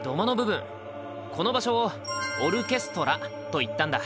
この場所を「オルケストラ」と言ったんだ。